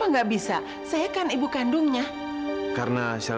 untuk mengambil ginjalnya alena aja